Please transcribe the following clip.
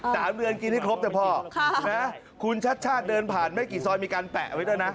๓เดือนกินที่ครบเท่าคุณชัชชาติเดินผ่านไม่กี่ซอยมีการแปะไว้ด้วยนะ